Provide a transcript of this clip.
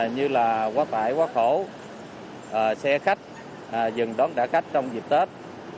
như là quá tải quá khổ xe khách dừng đón trả khách trong dịp tết